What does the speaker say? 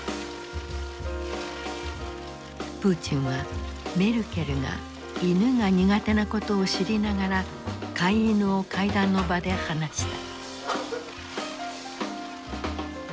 プーチンはメルケルが犬が苦手なことを知りながら飼い犬を会談の場で放した。